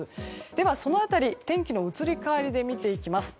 では、その辺り天気の移り変わりで見ていきます。